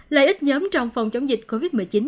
lợi ích nhóm trong phòng chống dịch covid một mươi chín